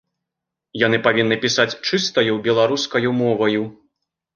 Яны павінны пісаць чыстаю беларускаю моваю.